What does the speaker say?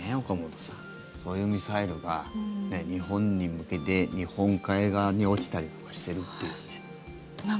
こういうミサイルが日本に向けて日本海側に落ちたりとかしてるっていうね。